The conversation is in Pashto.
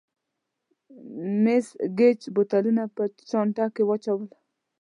مېس ګېج بوتلونه په چانټه کې واچول.